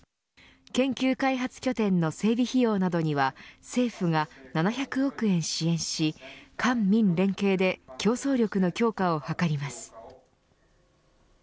研究開発拠点の整備費用などには政府が７００億円支援し官民連携で競争力の強化を図ります。